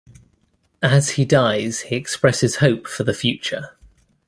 As he dies, he expresses hope for the future.